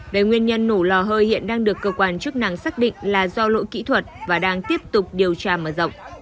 về nguyên nhân nổ lò hơi hiện đang được cơ quan chức năng xác định là do lỗi kỹ thuật và đang tiếp tục điều tra mở rộng